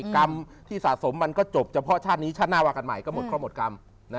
กรรมที่สะสมมันก็จบเฉพาะชาตินี้ชาติหน้าว่ากันใหม่ก็หมดข้อหมดกรรม